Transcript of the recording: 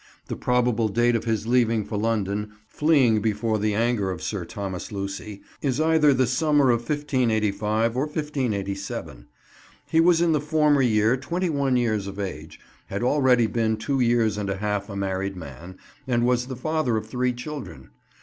The probable date of his leaving for London, fleeing before the anger of Sir Thomas Lucy, is either the summer of 1585 or 1587. He was in the former year twenty one years of age, had already been two years and a half a married man, and was the father of three children.